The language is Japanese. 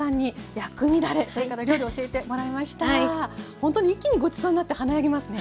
ほんとに一気にごちそうになって華やぎますね。